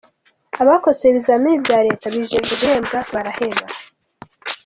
Abakosoye ibizamini bya Leta bijejwe guhembwa baraheba